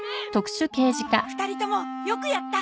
２人ともよくやった。